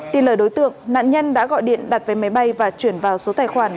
tin lời đối tượng nạn nhân đã gọi điện đặt vé máy bay và chuyển vào số tài khoản